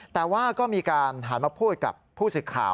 แต่ว่าก็มีการหันมาพูดกับผู้สื่อข่าว